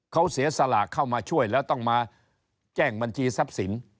เขาเสียสลากเข้ามาช่วยแล้วต้องมาแจ้งบัญชีทรัพย์สิน